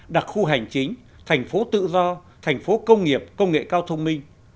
đặc khu hành chính thành phố tự do thành phố công nghiệp công nghệ cao thông minh